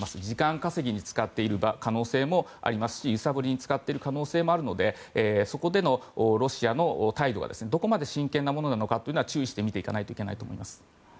時間稼ぎに使っている可能性もありますし揺さぶりに使っている可能性もあるのでそこでのロシアの態度がどこまで真剣なものなのかは注意して見ていかないといけないと思います。